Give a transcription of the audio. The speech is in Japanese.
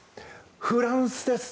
フランスです。